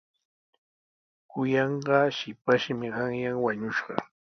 Kuyanqaa shipashmi qanyan wañushqa.